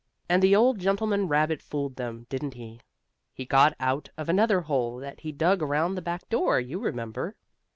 And the old gentleman rabbit fooled them, didn't he? He got out of another hole that he dug around by the back door, you remember.